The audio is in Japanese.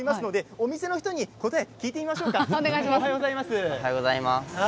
お店の人に答えを聞いてみましょう。